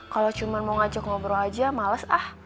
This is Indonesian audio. kalau cuma mau ngajak ngobrol aja males ah